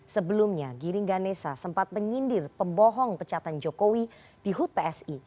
sebelumnya giringganesa sempat menyindir pembohong pecatan jokowi di hud psi